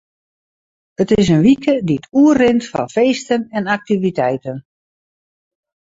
It is in wike dy't oerrint fan feesten en aktiviteiten.